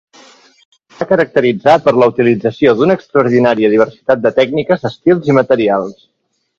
Es va caracteritzar per la utilització d'una extraordinària diversitat de tècniques, estils i materials.